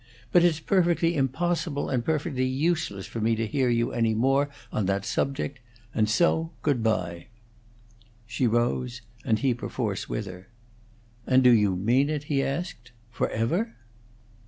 But it's perfectly impossible and perfectly useless for me to hear you any more on that subject; and so good bye!" She rose, and he perforce with her. "And do you mean it?" he asked. "Forever?"